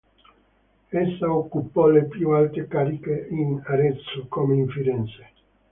Essa occupò le più alte cariche in Arezzo come in Firenze.